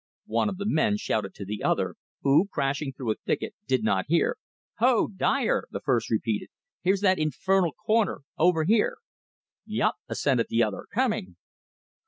One of the men shouted to the other, who, crashing through a thicket, did not hear. "Ho o o! DYER!" the first repeated. "Here's that infernal comer; over here!" "Yop!" assented the other. "Coming!"